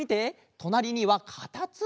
となりにはかたつむり！